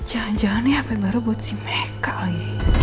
jangan jangan nih hp baru buat si meka lagi